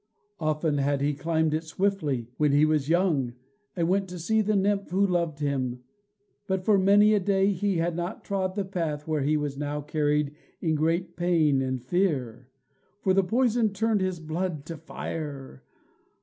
Often had he climbed it swiftly, when he was young, and went to see the nymph who loved him; but for many a day he had not trod the path where he was now carried in great pain and fear, for the poison turned his blood to fire.